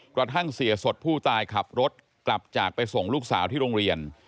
กระทั่งเสียสดผู้ตายขับรถกลับจากไปส่งลูกสาวที่โรงเรียน